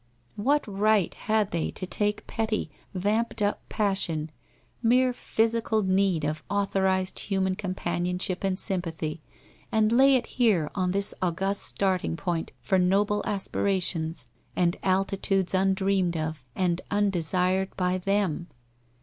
. What right had they to take petty, vamped up pas sion, mere physical need of authorized human com panionship and sympathy, and lay it here on this august starting point for noble aspirations, and altitudes un dreamed of, and undesired by them